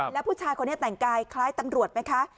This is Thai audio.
แล้วผู้ชายคนนี้แต่งกายคล้ายตำรวจไหมคะ